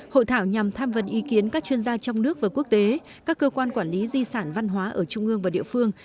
hội thảo nhằm tham vấn ý kiến các chuyên gia trong nước và quốc tế các cơ quan quản lý di sản văn hóa ở trung ương và địa phương